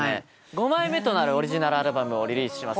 ５枚目となるオリジナルアルバムをリリースします。